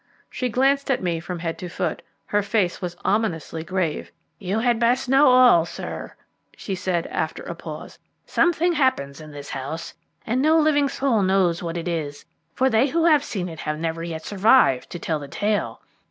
She glanced at me from head to foot. Her face was ominously grave. "You had best know all, sir," she said, after a pause. "Something happens in this house, and no living soul knows what it is, for they who have seen it have never yet survived to tell the tale.